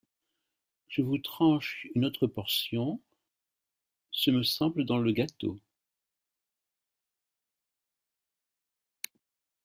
Je vous tranche une autre portion, ce me semble dans le gâteau.